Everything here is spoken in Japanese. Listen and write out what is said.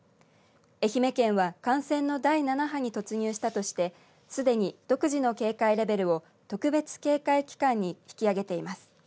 愛媛県は感染の第７波に突入したとしてすでに独自の警戒レベルを特別警戒期間に引き上げています。